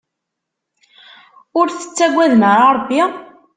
Ur tettagadem ara Rebbi?